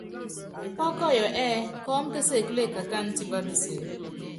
Pɔ́kɔyɔ ɛ́ɛ́ kɔɔ́m késekule kakáanɛ́ tipá peseé.